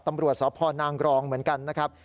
ตำรวจสพนางกรองเหมือนกันนะครับ